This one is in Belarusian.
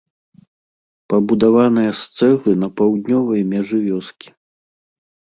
Пабудаваная з цэглы на паўднёвай мяжы вёскі.